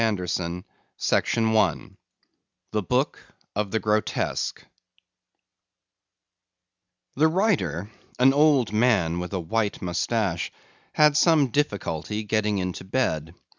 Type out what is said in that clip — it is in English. THE TALES AND THE PERSONS THE BOOK OF THE GROTESQUE The writer, an old man with a white mustache, had some difficulty in getting into bed.